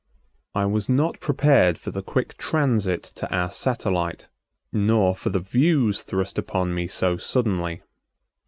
I was not prepared for the quick transit to our satellite, nor for the views thrust upon me so suddenly.